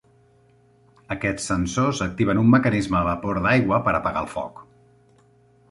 Aquests sensors activen un mecanisme de vapor d'aigua per apagar el foc.